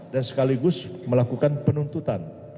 dan sekaligus melakukan penuntutan